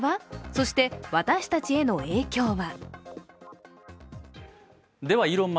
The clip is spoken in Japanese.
そして私たちへの影響は？